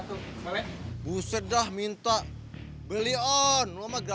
kasih gua sehat sehat disana bro empok